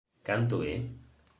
Canto é?